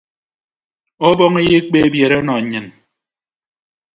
Ọbọñ eyekpe ebiere ọnọ nnyịn.